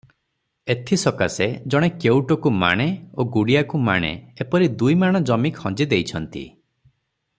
ଏଥିସକାଶେ ଜଣେ କେଉଟକୁ ମାଣେ ଓ ଗୁଡ଼ିଆକୁ ମାଣେ ଏପରି ଦୁଇ ମାଣ ଜମି ଖଞ୍ଜି ଦେଇଛନ୍ତି ।